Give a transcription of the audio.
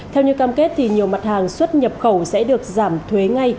theo như cam kết thì nhiều mặt hàng xuất nhập khẩu sẽ được giảm thuế ngay